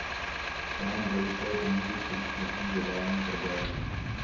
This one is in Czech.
To nám zajisté pomůže čelit novým globálním problémům.